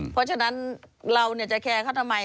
เพราะฉะนั้นเราจะแคร์เขาทำไม